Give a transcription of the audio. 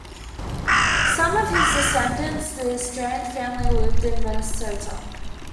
Some of his descendants, the Strand family, live in Minnesota.